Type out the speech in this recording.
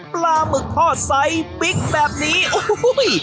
ปลาหมึกทอดไซส์ปิ๊กแบบนี้โอ้โห